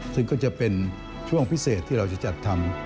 ซึ่งก็จะเป็นช่วงพิเศษที่เราจะจัดทำ